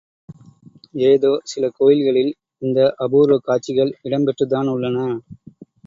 ஏதோ சில கோயில்களில் இந்த அபூர்வக் காட்சிகள் இடம் பெற்றுத்தான் உள்ளன.